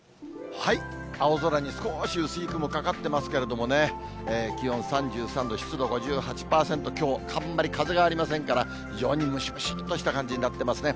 青空に少し薄い雲、かかってますけれどもね、気温３３度、湿度５８％、きょう、あんまり風がありませんから、非常にムシムシっとした感じになってますね。